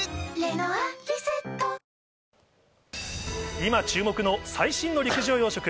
今注目の最新の陸上養殖。